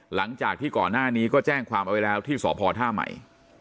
หลังจากที่ก่อนหน้านี้ก็แจ้งความเอาไว้แล้วที่สพท่าใหม่